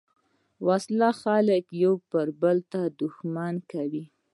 وسله خلک یو بل ته دښمن کوي